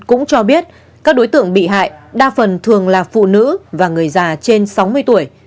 cũng cho biết các đối tượng bị hại đa phần thường là phụ nữ và người già trên sáu mươi tuổi